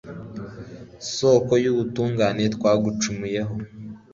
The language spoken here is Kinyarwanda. soko y'ubutungane twagucumuyeho